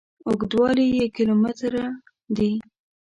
اوږدوالي یې کیلو متره دي.